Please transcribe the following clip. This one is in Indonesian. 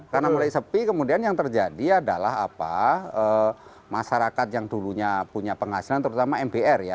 karena mulai sepi kemudian yang terjadi adalah masyarakat yang dulunya punya penghasilan terutama mpr ya